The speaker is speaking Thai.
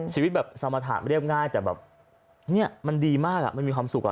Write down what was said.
ชีวิตแบบสมรรถะเรียบง่ายแต่แบบเนี่ยมันดีมากมันมีความสุขอ่ะ